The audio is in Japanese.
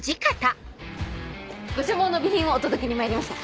ご所望の備品をお届けにまいりました